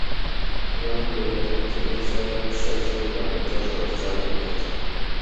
زه نه پوهیږم چې لوڅه ښځه له کمپیوټر سره څه اړیکه لري